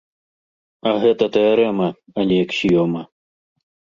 А гэта тэарэма, а не аксіёма.